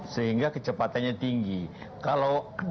sehingga kecepatannya sangat jauh